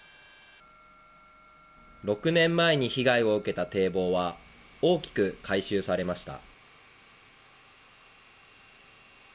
６年前に被害を受けた堤防は大きく改修されました。